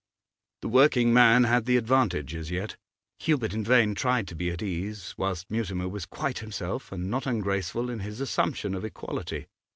The working man had the advantage as yet. Hubert in vain tried to be at ease, whilst Mutimer was quite himself, and not ungraceful in his assumption of equality.